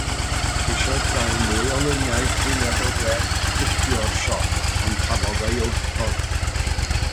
Ceisiodd gael mwy o luniau gwyliadwriaeth fideo'r siop, ond cafodd ei wrthod.